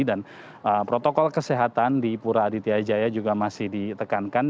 dan protokol kesehatan di pura aditya jaya juga masih ditekankan